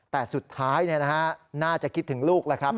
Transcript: แต่สุดท้ายน่าจะคิดถึงลูกแล้วครับ